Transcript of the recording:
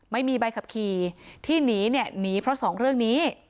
ไม่มีใบขับขี่ที่หนีเนี่ยหนีเพราะสองเรื่องนี้